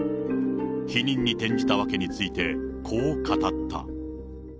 否認に転じた訳について、こう語った。